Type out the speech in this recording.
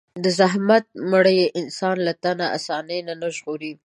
د زحمت مړۍ انسان له تن آساني نه ژغوري.